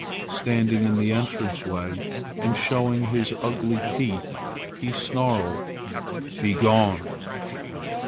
Standing in the entrance way and showing his ugly teeth, he snarled, "Be gone!"